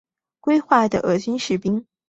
归化的俄军士兵们对欠饷感到不满。